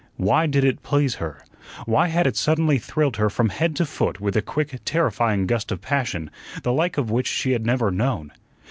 Why did it please her? Why had it suddenly thrilled her from head to foot with a quick, terrifying gust of passion, the like of which she had never known?